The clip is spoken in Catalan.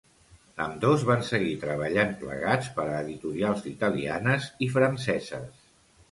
Ambdós van seguir treballant plegats per a editorials italianes i franceses.